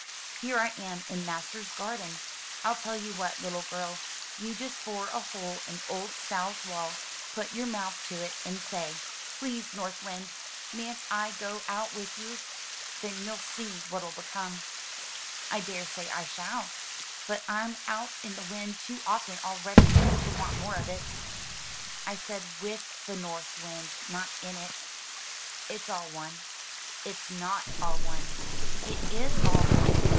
Here I am in master's garden! I tell you what, little girl, you just bore a hole in old Sal's wall, put your mouth to it, and say, 'Please, North 436 THROUGH FAIRY HALLS Wind, mayn't I go out with you?' Then you'll see what'll come." " I daresay I shall. But Tm out in the wind too often already to want more of it." "I said with the North Wind, not in it." "It's all one." "It's not all one." "It is all one."